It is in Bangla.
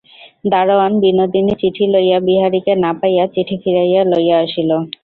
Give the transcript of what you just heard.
দরোয়ান বিনোদিনীর চিঠি লইয়া বিহারীকে না পাইয়া চিঠি ফিরাইয়া লইয়া আসিল।